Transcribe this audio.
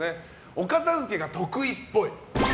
お片付けが得意っぽい。